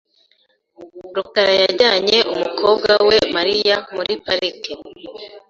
rukara yajyanye umukobwa we Mariya muri parike .